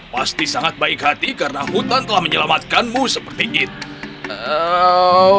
pasti sangat baik hati karena hutan telah menyelamatkanmu seperti itu